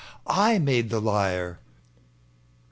... I made the lyre